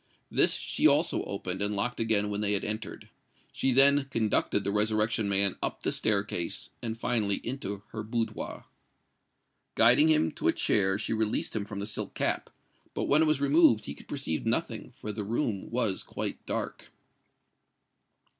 This she also opened and locked again when they had entered. She then conducted the Resurrection Man up the staircase, and finally into her boudoir. Guiding him to a chair, she released him from the silk cap; but when it was removed, he could perceive nothing—for the room was quite dark.